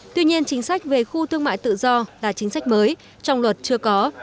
tuy nhiên chính sách về khu thương mại tự do là chính sách mới trong luật chưa có